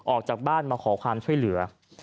ออกจากบ้านมาขอความช่วยเหลือ